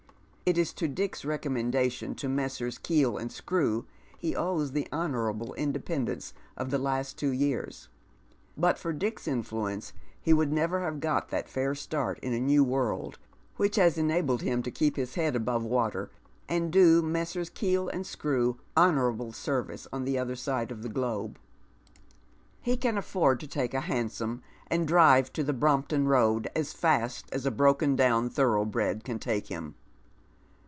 It is to Dick's recommend. .tion to Messrs. Keel and Skrew he owes the honourable independence of the last two years. But for Dick's influence he would never have got that tair start in a new world wliich has enabled him to keep his head IIS Dead Men's Shoes. ibove water, and do Messrs. Keel and Skrew honourable service on the other side of the globe. He can aflEord to take a hansom, and drive to the Brompton Road as fast as a broken down thorough bred can take him.